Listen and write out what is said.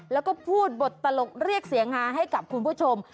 แล้วก็พูดบทตลกเรียกเสียงฮาให้กับคุณผู้ชม